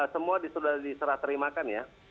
semua sudah diserah terimakan ya